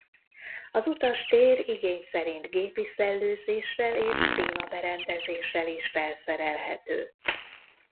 Az utastér igény szerint gépi szellőzéssel és klímaberendezéssel is felszerelhető.